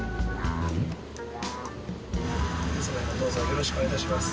「よろしくお願いします」？